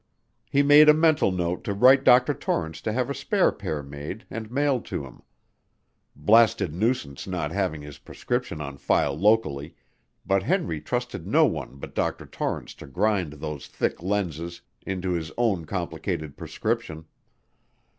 He made a mental note to write Dr. Torrance to have a spare pair made and mailed to him. Blasted nuisance not having his prescription on file locally, but Henry trusted no one but Dr. Torrance to grind those thick lenses into his own complicated prescription.